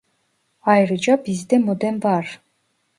Ayrıca bizde modem var